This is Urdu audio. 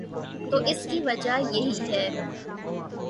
تو اس کی وجہ یہی ہے۔